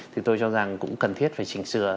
thì tôi cho rằng cũng cần thiết phải chỉnh sửa